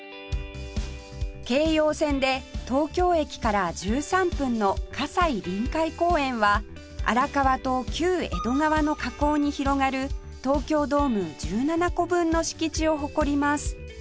京葉線で東京駅から１３分の西臨海公園は荒川と旧江戸川の河口に広がる東京ドーム１７個分の敷地を誇ります